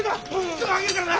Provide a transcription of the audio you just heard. すぐ上げるからな！